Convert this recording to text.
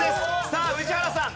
さあ宇治原さん。